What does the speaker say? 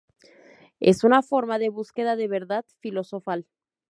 Es una forma de búsqueda de verdad filosofal.